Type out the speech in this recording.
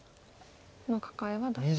このカカエは大事。